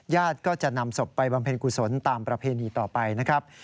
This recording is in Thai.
ก็จะนำศพไปบำเพ็ญกุศลตามประเพณีต่อไปนะครับ